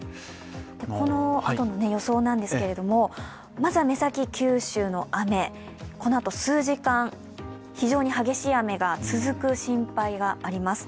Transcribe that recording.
このあとの予想なんですけれどもまずは目先、九州の雨、このあと数時間、非常に激しい雨が続く心配があります。